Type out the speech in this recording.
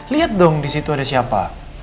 lihat dong di situ ada siapa